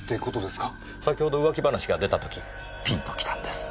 先ほど浮気話が出た時ピンときたんです。